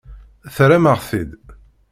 Terram-aɣ-t-id.